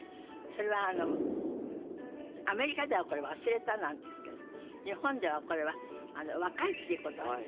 それはアメリカではこれ「忘れた」なんですけど日本ではこれは「若い」っていうこと。